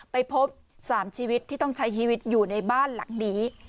ไปพบ๓ชีวิตที่ต้องใช้ชีวิตอยู่ในบ้านหลังนี้